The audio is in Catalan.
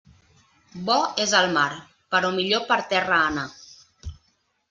Bo és el mar, però millor per terra anar.